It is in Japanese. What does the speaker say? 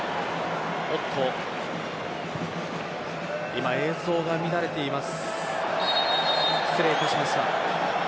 今、映像が乱れています。